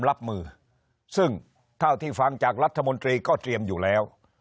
รับมือซึ่งเท่าที่ฟังจากรัฐมนตรีก็เตรียมอยู่แล้ว